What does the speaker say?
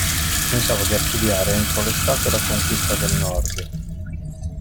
Pensavo di archiviare entro l'estate la conquista del Nord.